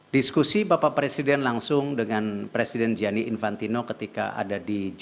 diskusi bapak presiden langsung dengan presiden gianni infantino ketika ada di g dua puluh